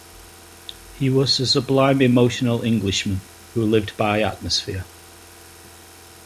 He was a sublime emotional Englishman, who lived by atmosphere.